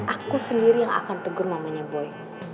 aku sendiri yang akan tegur mamanya boy